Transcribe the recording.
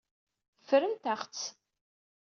Ffrent-aɣ-tt.